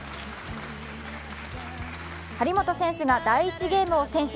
張本選手が第１ゲームを先取。